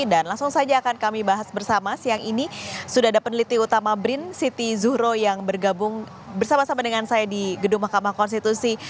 dan langsung saja akan kami bahas bersama siang ini sudah ada peneliti utama brin siti zuhro yang bergabung bersama sama dengan saya di gedung mahkamah konstitusi